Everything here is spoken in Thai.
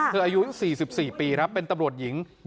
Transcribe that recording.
เธออายุ๔๔ปีก็รับเป็นตับกรถหญิง๐๐๑๐๑๐๑๐๑๐๑๐๑๐๑๐๑๐๑๐